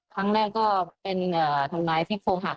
ครั้งแรกก็เป็นทางร้ายพิภูมิหัก๒๔